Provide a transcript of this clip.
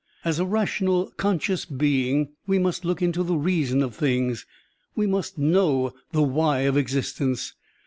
As a rational, conscious being, we must look into the reason of things, we must know the why of existence.